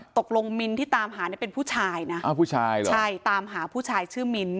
ตกลงมิ้นท์ที่ตามหาเป็นผู้ชายนะตามหาผู้ชายชื่อมิ้นท์